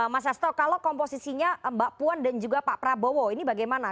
mas hasto kalau komposisinya mbak puan dan juga pak prabowo ini bagaimana